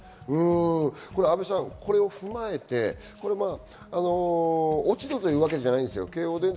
これを踏まえて落ち度というわけじゃないです。